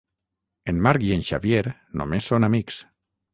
En Marc i en Xavier només són amics.